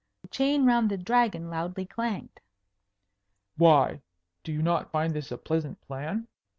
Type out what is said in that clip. The chain round the Dragon loudly clanked. "Why do you not find this a pleasant plan?"